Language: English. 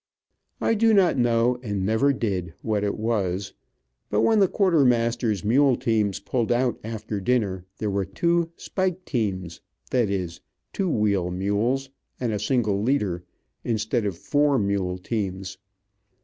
I do not know, and never did, what it was, but when the quartermaster's mule teams pulled out after dinner, there were two "spike teams;" that is, two wheel mules and a single leader, instead of four mule teams.